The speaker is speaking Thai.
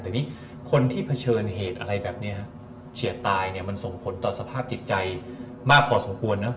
แต่นี่คนที่เผชิญเหตุอะไรแบบนี้เฉียดตายเนี่ยมันส่งผลต่อสภาพจิตใจมากพอสมควรนะ